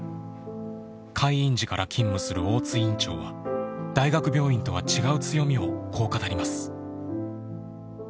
開院時から勤務する大津院長は大学病院とは違う強みをこう語ります。